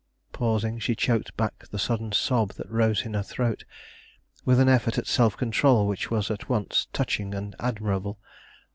Pausing, she choked back the sudden sob that rose in her throat, with an effort at self control which was at once touching and admirable.